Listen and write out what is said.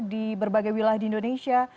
di berbagai wilayah di indonesia